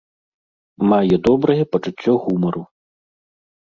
Мае добрае пачуцце гумару.